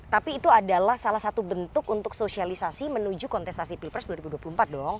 tapi itu adalah salah satu bentuk untuk sosialisasi menuju kontestasi pilpres dua ribu dua puluh empat dong